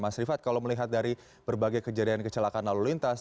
mas rifat kalau melihat dari berbagai kejadian kecelakaan lalu lintas